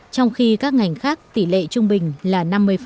trong khi các ngành khác tỷ lệ trung bình là năm mươi